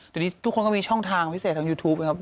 เดี๋ยวนี้ทุกคนก็มีช่องทางพิเศษทางยูทูปนะครับ